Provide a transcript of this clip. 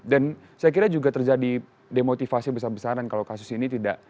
dan saya kira juga terjadi demotivasi besar besaran kalau kasus ini tidak berhasil